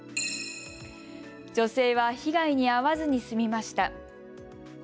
女性は被害に遭わずに済みました。